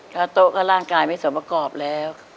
ถ้าโต๊ะก็ร่างกายไม่สมประกอบแล้ว